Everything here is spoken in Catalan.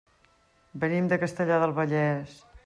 Venim de Castellar del Vallès.